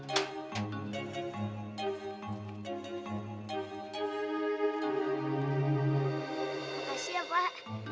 makasih ya pak